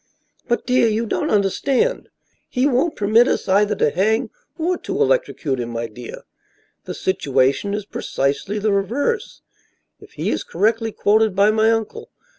"But, dear, you don't understand. He won't permit us either to hang or to electrocute him, my dear. The situation is precisely the reverse, if he is correctly quoted by my uncle.